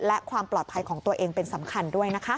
และความปลอดภัยของตัวเองเป็นสำคัญด้วยนะคะ